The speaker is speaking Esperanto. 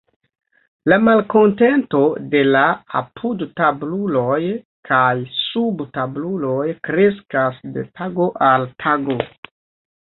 La malkontento de la apudtabluloj kaj subtabluloj kreskas de tago al tago.